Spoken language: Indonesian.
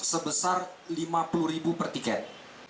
book slot sebesar lima puluh ribu per tiket